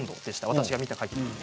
私が見たかぎり。